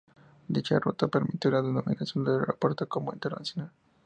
Dicha ruta permitió la denominación del aeropuerto como 'internacional'.